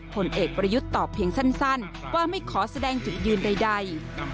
ผลเอกประยุทธ์ตอบเพียงสั้นว่าไม่ขอแสดงจุดยืนใด